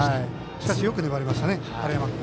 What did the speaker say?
しかし、よく粘りました晴山君。